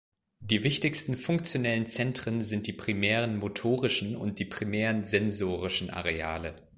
Die wichtigsten funktionellen Zentren sind die primären motorischen und die primären sensorischen Areale.